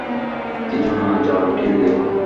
কিছু না, যাও টিভি দেখ।